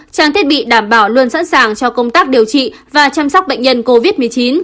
trang thiết bị đảm bảo luôn sẵn sàng cho công tác điều trị và chăm sóc bệnh nhân covid một mươi chín